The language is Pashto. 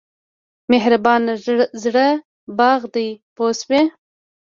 مهربان زړه باغ دی پوه شوې!.